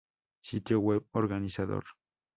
Sitio web Organizador